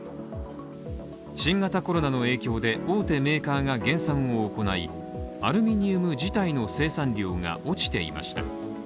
新型コロナの影響で、大手メーカーが減産を行い、アルミニウム自体の生産量が落ちていました。